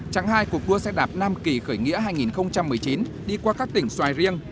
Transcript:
trạng hai cuộc đua xe đạp nam kỳ khởi nghĩa hai nghìn một mươi chín đi qua các tỉnh xoài riêng